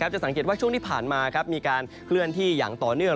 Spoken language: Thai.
จะสังเกตว่าช่วงที่ผ่านมามีการเคลื่อนที่อย่างต่อเนื่อง